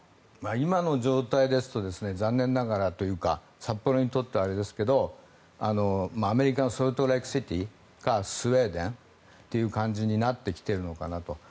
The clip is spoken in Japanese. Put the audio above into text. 今の状態ですと残念ながらというか札幌にとってはあれですけどアメリカのソルトレークシティーかスウェーデンという感じになってきているのかなと。